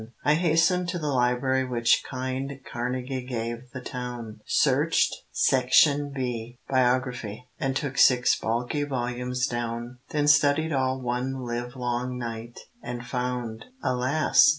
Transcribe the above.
I hastened to the library Which kind Carnegie gave the town, Searched Section B. (Biography.) And took six bulky volumes down; Then studied all one livelong night, And found (alas!)